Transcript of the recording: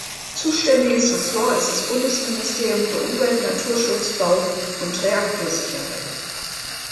Zuständiges Ressort ist das Bundesministerium für Umwelt, Naturschutz, Bau und Reaktorsicherheit.